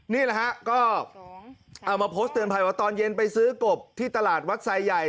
นี่แหละฮะก็เอามาโพสต์เตือนภัยว่าตอนเย็นไปซื้อกบที่ตลาดวัดไซใหญ่